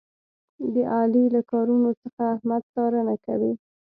د علي له کارونو څخه احمد څارنه کوي.